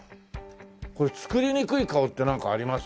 これ作りにくい顔ってなんかあります？